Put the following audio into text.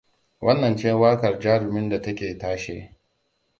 Wannan ce waƙar jarumin da ta ke tashe.